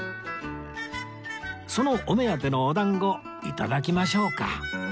そのお目当てのお団子頂きましょうか